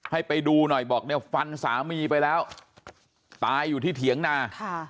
ให้ไปดูหน่อยบอกเนี่ยฟันสามีไปแล้วตายอยู่ที่เถียงนา